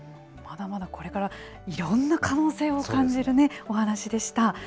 まだまだこれからいろんな可能性を感じるお話でした。